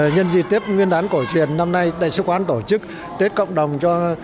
nhân dị tiếp nguyên đán cổ truyền năm nay đại sứ quán tổ chức tết cộng đồng cho